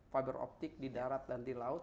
fiber optic di darat dan di laut